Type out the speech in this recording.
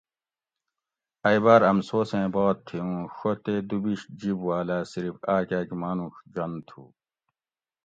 ائی باۤر امسوسیں بات تھی اوں ڛو تے دُو بِیش جِب والاۤ صرف آک آک مانوڛ جن تُھو